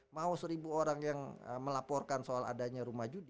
mau seribu orang yang melaporkan soal adanya rumah judi